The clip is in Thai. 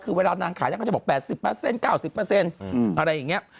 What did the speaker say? คือเวลานางขายนางก็จะบอก๘๐๙๐อะไรอย่างนี้